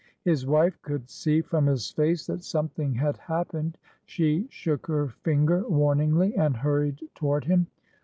His wife could see from his face that something had happened. She shook her finger warningly and hurried toward him.